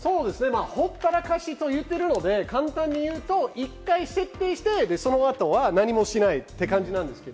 ほったらかしと言ってるので、簡単に言うと１回設定してその後は何もしないって感じです。